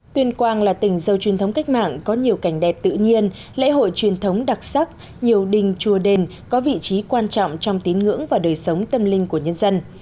tuyên quang là tỉnh dâu truyền thống cách mạng có nhiều cảnh đẹp tự nhiên lễ hội truyền thống đặc sắc nhiều đình chùa đền có vị trí quan trọng trong tín ngưỡng và đời sống tâm linh của nhân dân